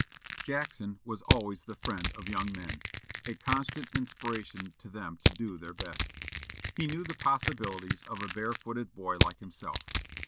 Jackson was always the friend of young men a constant inspiration to them to do their best. He knew the possibilities of a barefooted boy like himself.